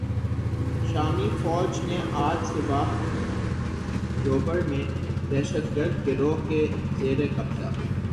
شامی فوج نے آج صبح "جوبر" میں دہشتگرد گروہ کے زیر قبضہ